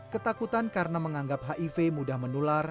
ketakutan karena menganggap hiv mudah menular